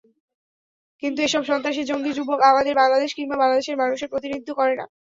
কিন্তু এসব সন্ত্রাসী-জঙ্গি যুবক আমাদের বাংলাদেশ কিংবা বাংলাদেশের মানুষের প্রতিনিধিত্ব করে না।